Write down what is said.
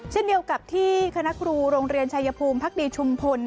เช่นเดียวกับที่คณะครูโรงเรียนชายภูมิพักดีชุมพล